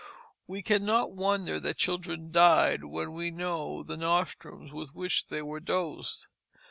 We cannot wonder that children died when we know the nostrums with which they were dosed.